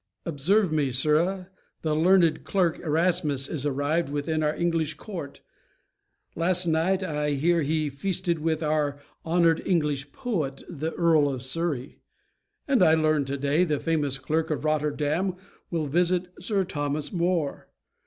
Observe me, sirrah. The learned clark Erasmus is arrived Within our English court: last night I hear He feasted with our honored English poet, The Earl of Surrey; and I learned today The famous clark of Rotterdam will visit Sir Thomas More.